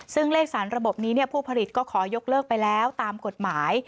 ซึ่งเลขสารระบบนี้ผู้ผลิตก็ขอยกเลิกไปแล้วตามกฎหมาย